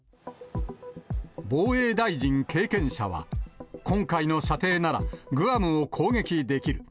防衛大臣経験者は、今回の射程なら、グアムを攻撃できる。